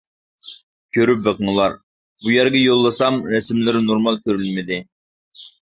كۆرۈپ بېقىڭلار: بۇ يەرگە يوللىسام رەسىملىرى نورمال كۆرۈنمىدى.